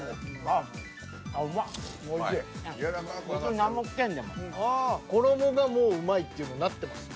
ああ衣がもううまいっていうのになってます。